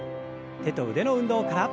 手と腕の運動から。